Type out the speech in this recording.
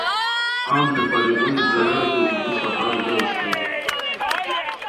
عام نیپالی غونی ڈرائیویروتین اردو صفا گیاؤ اوشتائے۔